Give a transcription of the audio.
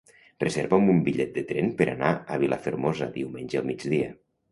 Reserva'm un bitllet de tren per anar a Vilafermosa diumenge al migdia.